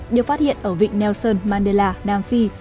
được phát hiện ở vịnh nelson mandela nam phi